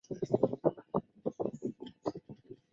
规矩数是指可用尺规作图方式作出的实数。